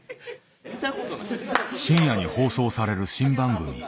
深夜に放送される新番組。